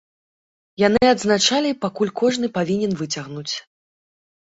Яны адзначалі, пакуль кожны павінен выцягнуць.